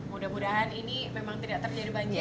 mudah mudahan ini memang tidak terjadi banjir